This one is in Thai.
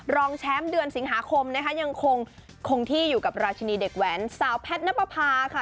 รองแชมป์เดือนสิงหาคมนะคะยังคงที่อยู่กับราชินีเด็กแหวนสาวแพทย์นับประพาค่ะ